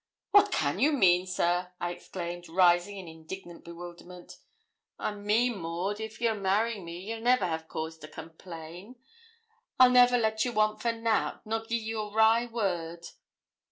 'What can you mean, sir?' I exclaimed, rising in indignant bewilderment. 'I mean, Maud, if ye'll marry me, you'll never ha' cause to complain; I'll never let ye want for nout, nor gi'e ye a wry word.'